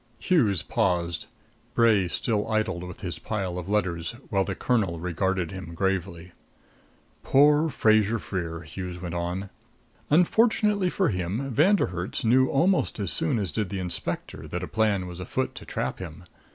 Hughes paused. Bray still idled with his pile of letters, while the colonel regarded him gravely. "Poor Fraser Freer!" Hughes went on. "Unfortunately for him, Von der Herts knew almost as soon as did the inspector that a plan was afoot to trap him.